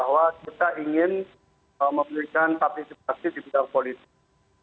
bahwa kita ingin memberikan partisipasi di bidang politik